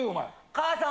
母さん。